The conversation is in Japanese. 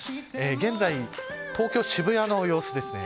現在、東京、渋谷の様子です。